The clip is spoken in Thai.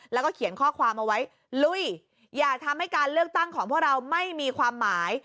แล้วก็เขียนข้อความเอาไว้ลุยอย่าทำให้การเลือกตั้งของพวกเราไม่มีความหมาย